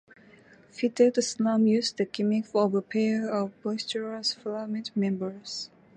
Phi Delta Slam used the gimmick of a pair of boisterous fraternity members.